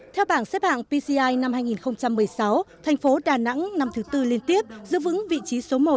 theo bảng xếp hạng pci năm hai nghìn một mươi sáu thành phố đà nẵng năm thứ tư liên tiếp giữ vững vị trí số một